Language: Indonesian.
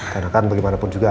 karena kan bagaimanapun juga